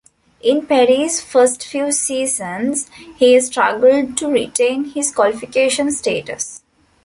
In Perry's first few seasons, he struggled to retain his qualification status.